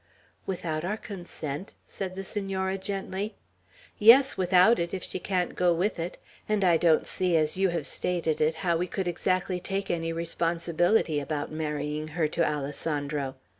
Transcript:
"Without our consent?" said the Senora, gently. "Yes, without it, if she can't go with it; and I don't see, as you have stated it, how we could exactly take any responsibility about marrying her to Alessandro.